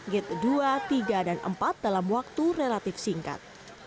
gate dua tiga dan empat dalam waktu relatif singkat